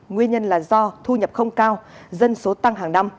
nguyên nhân là do thu nhập không cao dân số tăng hàng năm